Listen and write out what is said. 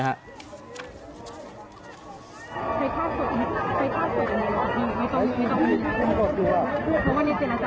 นะฮะ